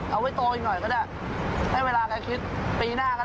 เอาไว้โตอีกหน่อยก็ได้ให้เวลาแกเรียกปีหน้ากันละกัน